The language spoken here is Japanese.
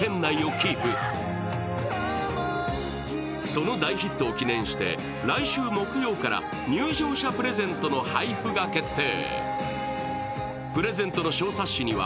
その大ヒットを記念して、来週木曜から入場者プレゼントの配布が決定。